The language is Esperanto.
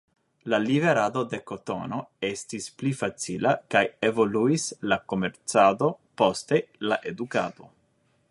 La liverado de kotono estis pli facila kaj evoluis la komercado, poste la edukado.